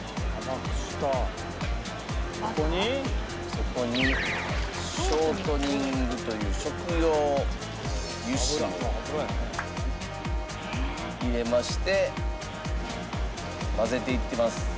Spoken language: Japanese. そこにショートニングという食用油脂を入れまして混ぜていっています。